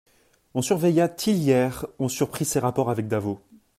On surveilla Tillières, on surprit ses rapports avec d'Avaux.